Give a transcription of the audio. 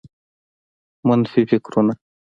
منفي فکرونه